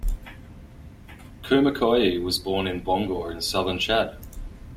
Koumakoye was born in Bongor in southern Chad.